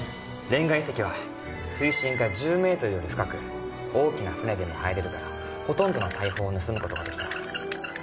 水深が１０ｍより深く大きな船でも入れるからほとんどの大砲を盗むことができた。